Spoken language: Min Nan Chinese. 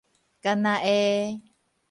干焦會